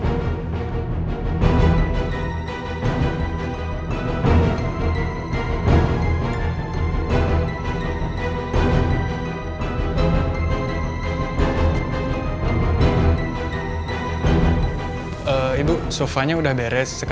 ada teman luar suara